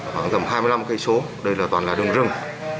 khoảng tầm hai mươi năm cây số đây là toàn là đường rừng